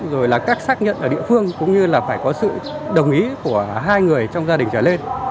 rồi là các xác nhận ở địa phương cũng như là phải có sự đồng ý của hai người trong gia đình trở lên